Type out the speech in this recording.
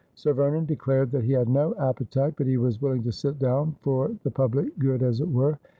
Sir Vernon declared that he had no appetite, but he was willing to sit down, for the public good as it were.